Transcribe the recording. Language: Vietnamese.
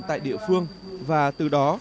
tại địa phương và từ đó